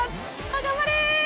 頑張れ！